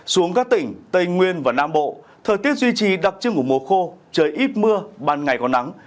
xuống các tỉnh tây nguyên và nam bộ thời tiết duy trì đặc trưng của mùa khô trời ít mưa ban ngày có nắng